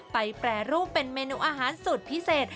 แปรรูปเป็นเมนูอาหารสุดพิเศษ